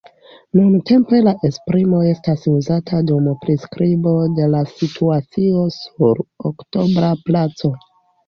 Nuntempe la esprimo estas uzata dum priskribo de la situacio sur Oktobra Placo.